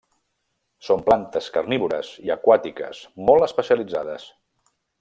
Són plantes carnívores i aquàtiques molt especialitzades.